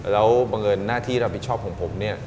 แล้วบังเอิญหน้าที่รับผิดชอบของผมเนี่ย